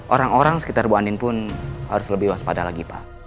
orang orang sekitar bu anin pun harus lebih waspada lagi pak